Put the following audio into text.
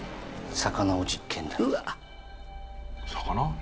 魚？